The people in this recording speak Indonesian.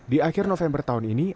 di akhir november tahun ini